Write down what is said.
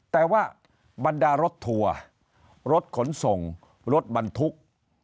แต่ว่าบรรดารถทัวร์รถขนส่งรถบรรทุก